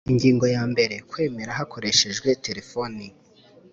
Ingingo yambere Kwemera hakoreshejwe telefoni